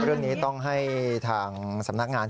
เรื่องนี้ต้องให้ทางสำนักงาน